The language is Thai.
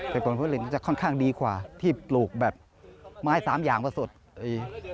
แต่คนผลิตจะค่อนข้างดีกว่าที่ปลูกแบบไม้๓อย่างประสุทธิ์